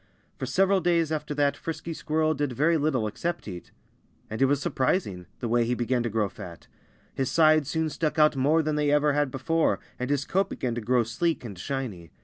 For several days after that Frisky Squirrel did very little except eat. And it was surprising the way he began to grow fat. His sides soon stuck out more than they ever had before, and his coat began to grow sleek and shiny.